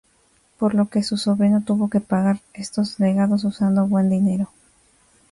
Por lo que su sobrino tuvo que pagar estos legados usando "buen dinero".